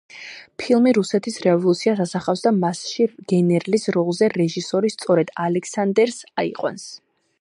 ფილმი რუსეთის რევოლუციას ასახავს და მასში გენერლის როლზე რეჟისორი სწორედ ალექსანდერს აიყვანს.